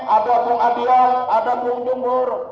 ada bung adian ada bung gumur